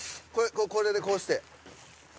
これでこうして。